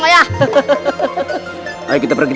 jangan lalu nget